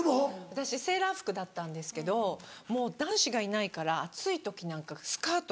私セーラー服だったんですけどもう男子がいないから暑い時なんかスカート